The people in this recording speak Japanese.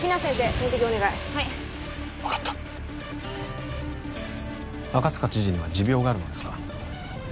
点滴お願いはい分かった赤塚知事には持病があるのですか？